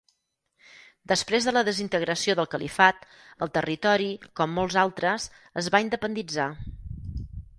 Després de la desintegració del califat, el territori, com molts altres, es va independitzar.